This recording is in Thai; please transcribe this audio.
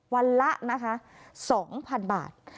วันละนะคะ๒๐๐๐บาท